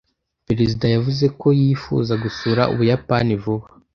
Perezida yavuze ko yifuza gusura Ubuyapani vuba.